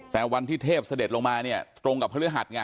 แต่วันที่เทพเสด็จลงมาเนี่ยตรงกับพฤหัสไง